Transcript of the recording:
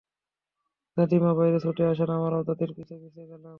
দাদিমা বাইরে ছুটে আসেন, আমরাও দাদির পিছে পিছে গেলাম।